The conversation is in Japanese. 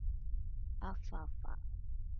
あふぁふぁ